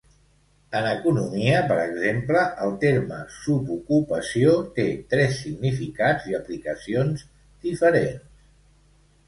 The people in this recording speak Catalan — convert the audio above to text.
En economia, per exemple, el terme "subocupació" té tres significats i aplicacions diferents.